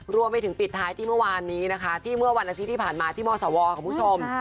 รวมไปถึงปิดท้ายที่เมื่อวานนี้นะคะที่เมื่อวันอาทิตย์ที่ผ่านมาที่มสวค่ะคุณผู้ชม